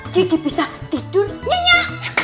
kiki bisa tidur nyenyak